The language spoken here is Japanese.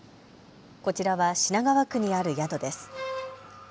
こちらは品川区にある宿です。